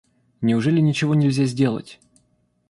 Неужели ничего нельзя сделать?